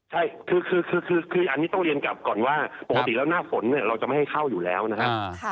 ใช่คืออันนี้ต้องเรียนกลับก่อนว่าปกติแล้วหน้าฝนเนี่ยเราจะไม่ให้เข้าอยู่แล้วนะครับ